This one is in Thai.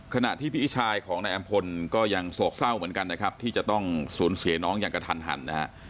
ขณะที่พี่อิชายของนายอำพลก็ยังซูกเศร้าเหมือนกันที่จะต้องสูญเสียน้องอย่างกระทัน